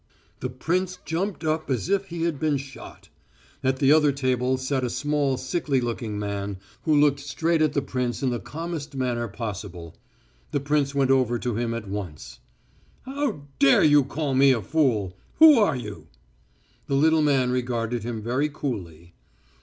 The prince jumped up as if he had been shot. At the other table sat a small sickly looking man, who looked straight at the prince in the calmest manner possible. The prince went over to him at once. "How dare you call me a fool? Who are you?" The little man regarded him very coolly.